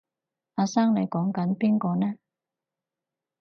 阿生你講緊邊個呢？